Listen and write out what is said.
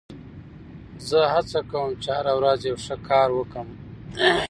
زه هڅه کوم، چي هره ورځ یو ښه کار وکم.